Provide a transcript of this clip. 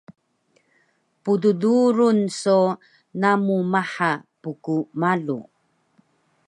Pddurun so namu maha mkmalu